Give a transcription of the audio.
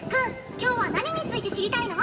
今日は何について知りたいの？